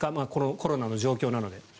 コロナの状況なので。